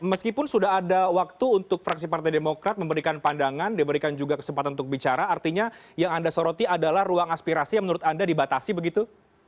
meskipun sudah ada waktu untuk fraksi partai demokrat memberikan pandangan diberikan juga kesempatan untuk bicara artinya yang anda soroti adalah ruang aspirasi yang menurut anda dibatasi begitu